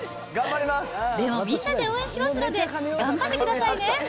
でも、みんなで応援しますので、頑張ってくださいね。